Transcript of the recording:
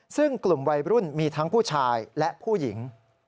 ซึ่งกลุ่มวัยรุ่นมีทั้งผู้ชายและผู้หญิง